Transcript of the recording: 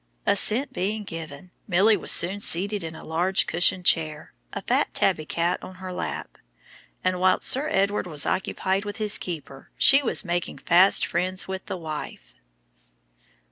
Assent being given, Milly was soon seated in a large cushioned chair, a fat tabby cat on her lap, and while Sir Edward was occupied with his keeper she was making fast friends with the wife.